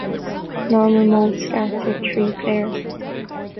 Normal mode starts with three players.